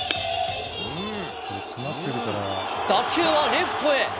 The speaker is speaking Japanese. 打球はレフトへ。